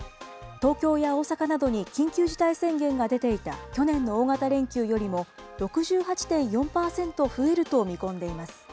東京や大阪などに緊急事態宣言が出ていた去年の大型連休よりも、６８．４％増えると見込んでいます。